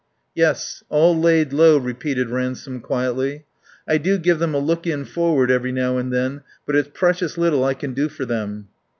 "Yes. All laid low," repeated Ransome quietly. "I do give them a look in forward every now and then, but it's precious little I can do for them."